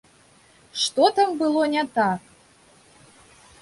Што там было не так?